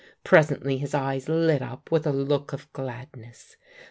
Presently his eyes lit up with a look of gladness.